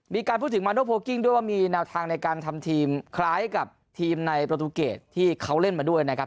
มีการพูดถึงมาโนโพลกิ้งด้วยว่ามีแนวทางในการทำทีมคล้ายกับทีมในประตูเกรดที่เขาเล่นมาด้วยนะครับ